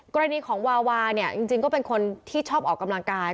กรณีของวาวาเนี่ยจริงก็เป็นคนที่ชอบออกกำลังกาย